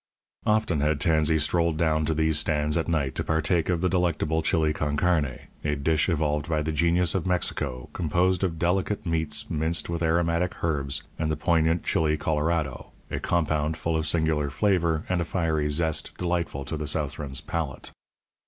Often had Tansey strolled down to these stands at night to partake of the delectable chili con carne, a dish evolved by the genius of Mexico, composed of delicate meats minced with aromatic herbs and the poignant chili colorado a compound full of singular flavour and a fiery zest delightful to the Southron's palate.